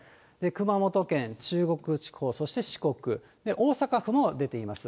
熊本県、中国地方、そして四国、大阪府も出ています。